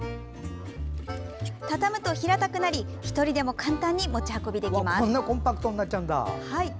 畳むと、平たくなり１人でも簡単に持ち運びできます。